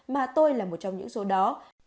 mà tôi là một trong những số đó